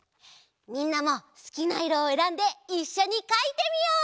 みんなもすきないろをえらんでいっしょにかいてみよう！